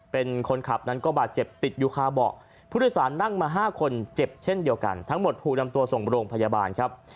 เป็นคนขับนั้นก็บาดเจ็บติดอยู่คาเบาะผู้โดยสารนั่งมา๕คนเจ็บเช่นเดียวกันทั้งหมดถูกนำตัวส่งโรงพยาบาลครับ